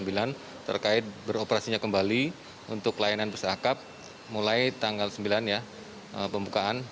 terkait beroperasinya kembali untuk layanan pusakap mulai tanggal sembilan ya pembukaan